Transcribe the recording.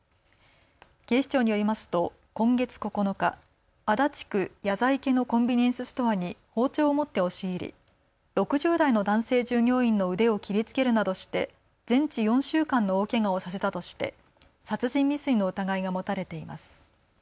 警視庁によりますと今月９日、足立区谷在家のコンビニエンスストアに包丁を持って押し入り６０代の男性従業員の腕を切りつけるなどして全治４週間の大けがをさせたとして殺人未遂の疑いが持たれています。